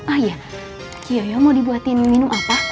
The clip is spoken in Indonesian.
ah iya ci yoyo mau dibuatin minum apa